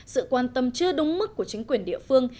sự quan tâm chưa đúng mức của chính quyền địa phương